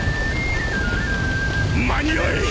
間に合え！